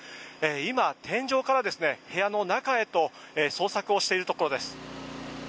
今、天井から部屋の中へと捜索をしているところです。